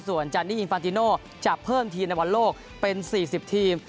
ส่วนจันนี่อินฟาติโนจะเพิ่มทีมในบอลโลกเป็น๔๐ทีม